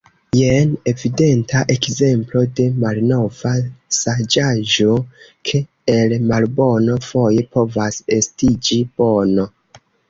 Jen evidenta ekzemplo de malnova saĝaĵo, ke el malbono foje povas estiĝi bono.